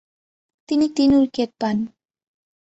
তিনি তিন উইকেট পান।